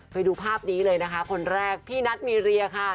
ไปดูภาพนี้เลยนะคะคนแรกพี่นัทมีเรียค่ะ